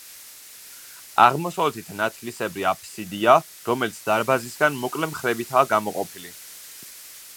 აღმოსავლეთით ნათლისებრი აფსიდია, რომელიც დარბაზისგან მოკლე მხრებითაა გამოყოფილი.